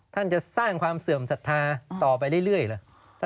ท่านจะสร้างความเสื่อมศรัทธาต่อไปเรื่อยเหรอ